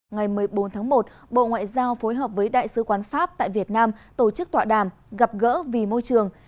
ngày một mươi bốn tháng một bộ ngoại giao phối hợp với đại sứ quán pháp tại việt nam tổ chức tọa đàm gặp gỡ vì môi trường